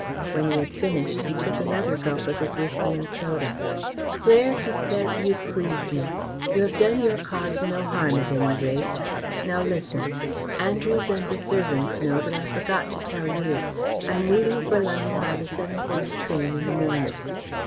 When he had finished, he took another gulp of his whisky and soda. "Claire," he said, "you please me. You have done your cause no harm, at any rate. Now listen. Andrews and the servants know, but I forgot to tell you. I am leaving for London by the 7:40 train in the morning."